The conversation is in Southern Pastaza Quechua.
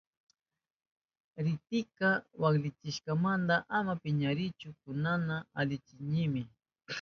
Ridikita waklichishkaynimanta ama piñarinkichu, kunanka alichahunimi.